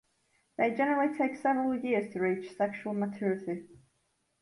They generally take several years to reach sexual maturity.